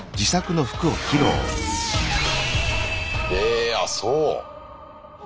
え⁉あそう。